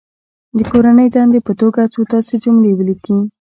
د کورنۍ دندې په توګه څو داسې جملې ولیکي.